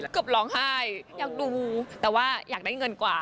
เกือบร้องไห้อยากดูแต่ว่าอยากได้เงินกว่า